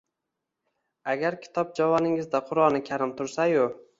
Agar kitob javoningizda “Qur’oni karim” tursa-yu